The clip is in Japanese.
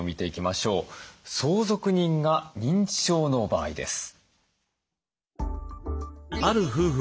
相続人が認知症の場合です。